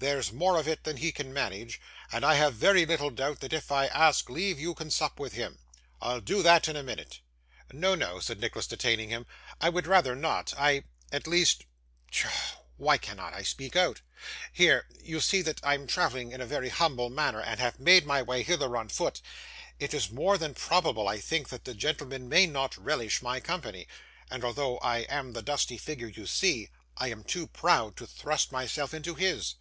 There's more of it than he can manage, and I have very little doubt that if I ask leave, you can sup with him. I'll do that, in a minute.' 'No, no,' said Nicholas, detaining him. 'I would rather not. I at least pshaw! why cannot I speak out? Here; you see that I am travelling in a very humble manner, and have made my way hither on foot. It is more than probable, I think, that the gentleman may not relish my company; and although I am the dusty figure you see, I am too proud to thrust myself into his.